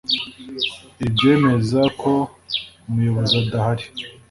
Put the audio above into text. ibyemeza ko umuyobozi adahari